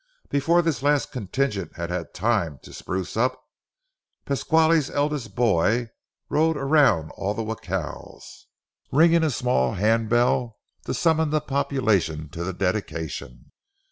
Before this last contingent had had time to spruce up, Pasquale's eldest boy rode around all the jacals, ringing a small handbell to summon the population to the dedication.